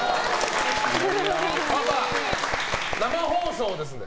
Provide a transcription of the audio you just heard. パパ、生放送ですので。